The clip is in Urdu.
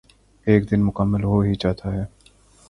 ایک دن مکمل ہو ہی جاتا یے